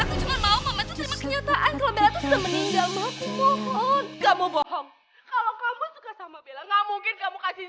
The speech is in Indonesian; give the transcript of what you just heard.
aku gak boleh ngebiarin siva sama mereka